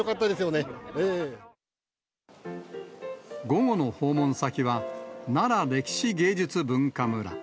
午後の訪問先は、なら歴史芸術文化村。